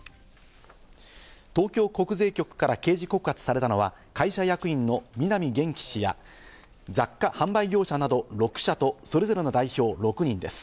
東京国税局から刑事告発されたのは、会社役員の南元貴氏や雑貨販売業者など６社と、それぞれの代表６人です。